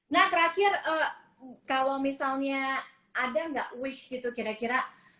nah terakhir kalau misalnya ada nggak wish gitu kira kira